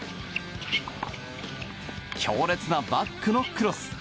強烈なバックのクロス！